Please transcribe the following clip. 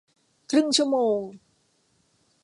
ครึ่งชั่วโมง